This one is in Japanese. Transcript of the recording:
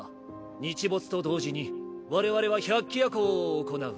日没と同時に我々は百鬼夜行を行う。